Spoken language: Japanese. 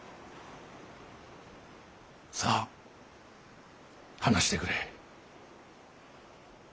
さあ話してくれ。